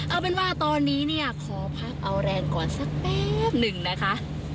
เอาเป็นว่าตอนนี้เนี่ยขอพักเอาแรงก่อนสักแป๊บหนึ่งนะคะ